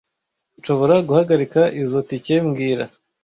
Nshobora guhagarika izoi tike mbwira